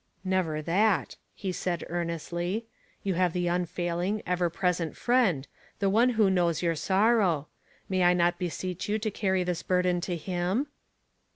" Never that," he said, earnestly. *' You have the unfailing, ever present Friend, the One who knows your sorrow. May I not beseech you to carry this burden to him